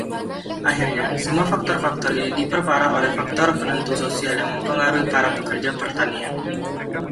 Akhirnya, semua faktor-faktor ini diperparah oleh faktor penentu sosial yang mempengaruhi para pekerja pertanian.